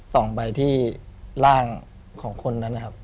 สองใบที่ร่างของคนนั้นนะครับ